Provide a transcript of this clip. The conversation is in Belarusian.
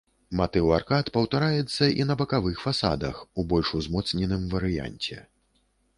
Матыў аркад паўтараецца і на бакавых фасадах, у больш узмоцненым варыянце.